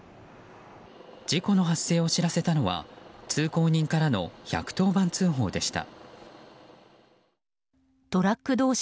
事故の発生を知らせたのは通行人からの１１０番通報でした。